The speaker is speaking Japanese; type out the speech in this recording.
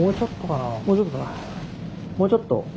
もうちょっと。